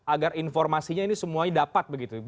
agar informasinya ini semuanya dapat begitu